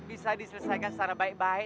bisa diselesaikan secara baik baik